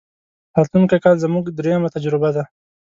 راتلونکی کال زموږ درېمه تجربه ده.